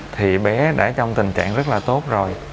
thì bé đã trong tình trạng rất là tốt rồi